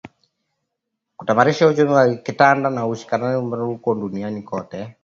kutaimarisha uchumi wa kikanda na ushindani barani huko na duniani kote